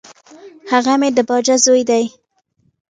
هغه مي د باجه زوی دی .